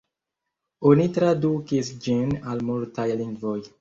Oni tradukis ĝin al multaj lingvoj.